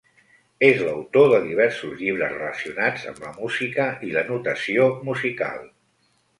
És l'autor de diversos llibres relacionats amb la música i la notació musical.